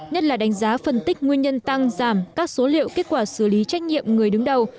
nhất là đánh giá phân tích nguyên nhân tăng giảm các số liệu kết quả xử lý trách nhiệm người đứng đầu